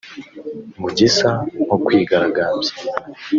Mu gisa nko kwigaragambya